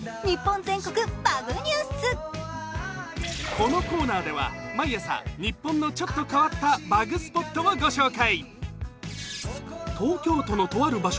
このコーナーでは毎朝、日本のちょっと変わったバグスポットをご紹介。